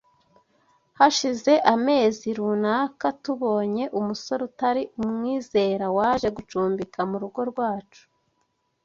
Hashize amezi runaka tubonye umusore utari umwizera, waje gucumbika mu rugo rwacu